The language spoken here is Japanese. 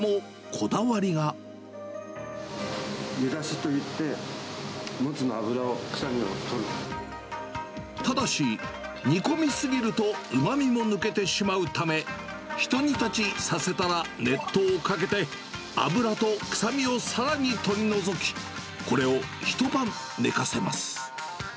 煮出しといって、もつの脂とただし、煮込み過ぎるとうまみも抜けてしまうため、ひと煮立ちさせたら熱湯をかけて、脂と臭みをさらに取り除き、これを一晩寝かせます。